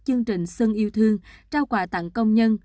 chương trình xuân yêu thương trao quà tặng công nhân